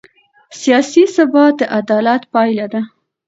سیاسي ثبات د عدالت پایله ده